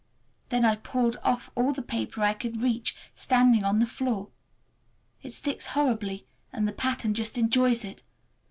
Then I peeled off all the paper I could reach standing on the floor. It sticks horribly and the pattern just enjoys it!